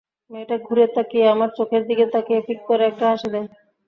মেয়েটা ঘুরে তাকিয়ে আমার চোখের দিকে তাকিয়ে ফিক করে একটা হাসি দেয়।